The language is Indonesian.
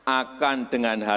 akan dengan hati hati